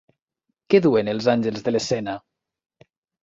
Què duen els àngels de l'escena?